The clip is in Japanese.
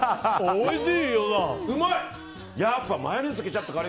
おいしいよ。